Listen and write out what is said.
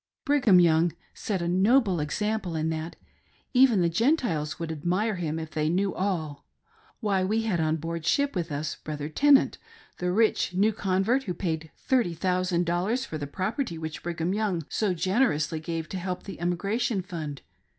Brigham Young set a noble example in that ; even the Gentiles would admire him if they knew alL Why, we had on board ship with us Brother Tenant, the' rich, new convert who paid thirty thousand dollars for the property which Brigham Young so generously gave to help the Emi gration Fund.